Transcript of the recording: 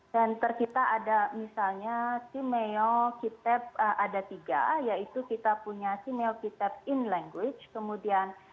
center kita ada misalnya simeocitab ada tiga yaitu kita punya simeocitab in language kemudian